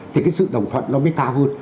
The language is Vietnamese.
thì cái sự đồng thuận nó mới cao hơn